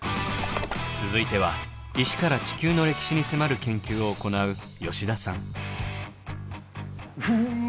続いては石から地球の歴史に迫る研究を行ううわ